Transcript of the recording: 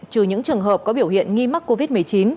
trừ những trường hợp có biểu hiện nghi mắc covid một mươi chín